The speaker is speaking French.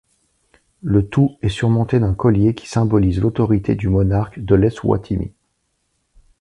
Le tout est surmonté d'un collier qui symbolise l'autorité du monarque de l'Eswatini.